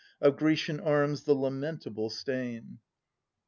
Of Grecian arms the lamentable stain